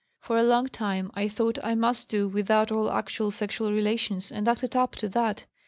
For a long time I thought I must do without all actual sexual relations and acted up to that.